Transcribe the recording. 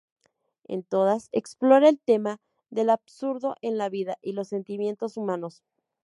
En todas explora el tema del absurdo en la vida y los sentimientos humanos.